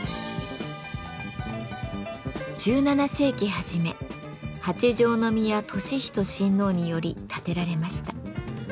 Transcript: １７世紀初め八条宮智仁親王により建てられました。